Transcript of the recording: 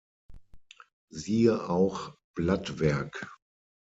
Siehe auch →Blattwerk.